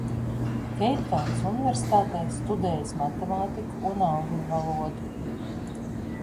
Keiptaunas Universitātē studējis matemātiku un angļu valodu.